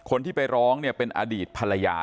คนที่ไปร้องเป็นอดีตภรรยา